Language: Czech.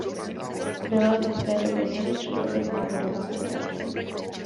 Byla to v té době největší obytná budova v Liberci.